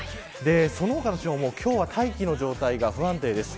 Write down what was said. その他の地方も今日は大気の状態が不安定です。